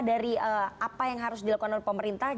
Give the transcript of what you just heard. dari apa yang harus dilakukan oleh pemerintah